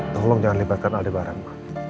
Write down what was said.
tolong jangan libatkan alde bareng